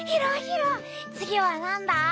次は何だ？